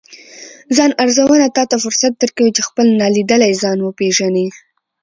ځان ارزونه تاته فرصت درکوي، چې خپل نالیدلی ځان وپیژنې